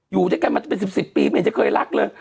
อยู่ด้วยกันมาเป็น๑๐ปีไม่เห็นจะเคยรักเลย